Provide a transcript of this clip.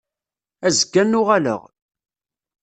Azekka ad n-uɣaleɣ.